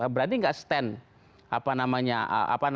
berarti nggak stand apa namanya bawaslu ini